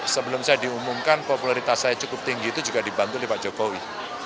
sebelum saya diumumkan popularitas saya cukup tinggi itu juga dibantu oleh pak jokowi